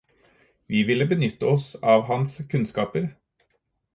Vi ville benytte oss av hans kunnskaper.